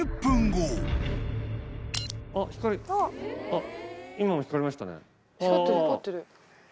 あっ！